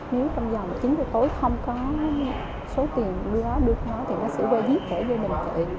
nếu trong dòng chín giờ tối không có số tiền đưa ra đưa cho nó thì nó sẽ về giết thể với mình chị